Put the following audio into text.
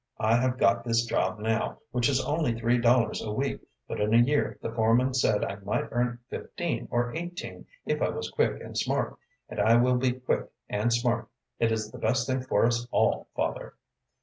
I have got this job now, which is only three dollars a week, but in a year the foreman said I might earn fifteen or eighteen, if I was quick and smart, and I will be quick and smart. It is the best thing for us all, father."